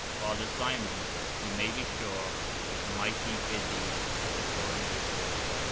Father Simons, you may be sure, was mighty busy at the coronation.